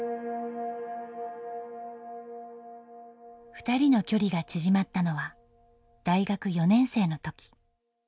ふたりの距離が縮まったのは大学４年生の時。